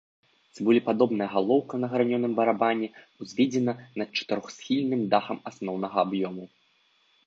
Цыбулепадобная галоўка на гранёным барабане ўзведзена над чатырохсхільным дахам асноўнага аб'ёму.